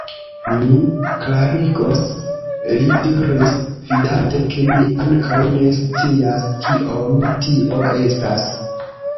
Mi klarigos, li diris, vidante, ke mi ankaŭ ne scias, kiom tio estas.